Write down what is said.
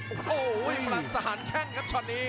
โอ้โหประสานแข้งครับช็อตนี้